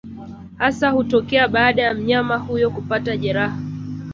hasa hutokea baada ya mnyama huyo kupata jeraha